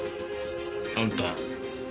あんた。